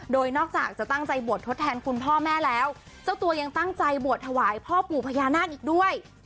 โดยนอกจากจะตั้งใจบวชทดแทนคุณพ่อแม่แล้วเจ้าตัวยังตั้งใจบวชถวายพ่อปู่พญานาคอีกด้วย